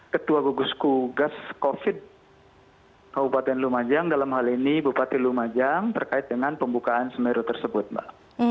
ketua gugus tugas covid sembilan belas kabupaten lumajang dalam hal ini bupati lumajang terkait dengan pembukaan semeru tersebut mbak